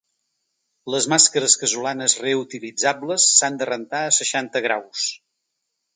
Les màscares casolanes reutilitzables s’han de rentar a seixanta graus.